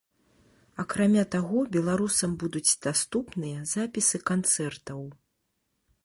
Акрамя таго беларусам будуць даступныя запісы канцэртаў.